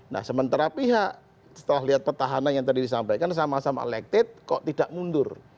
nah sementara pihak setelah lihat petahana yang tadi disampaikan sama sama elected kok tidak mundur